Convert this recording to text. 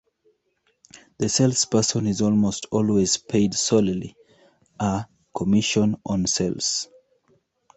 The salesperson is almost always paid solely a commission on sales.